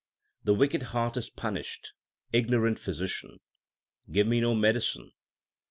The wicked heart is punished. Ignorant physician, give me no medicine.